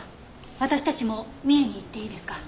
私たちも三重に行っていいですか？